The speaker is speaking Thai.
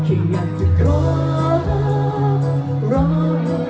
อีฟังมั้ย